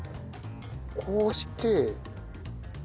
こうして。